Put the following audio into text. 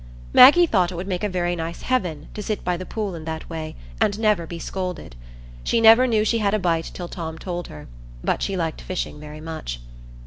Maggie thought it would make a very nice heaven to sit by the pool in that way, and never be scolded. She never knew she had a bite till Tom told her; but she liked fishing very much.